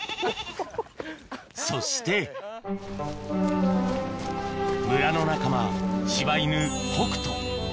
そして村の仲間柴犬